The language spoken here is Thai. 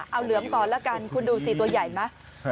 เอาเหลืองก่อนละกันคุณดูสิตัวใหญ่ไหม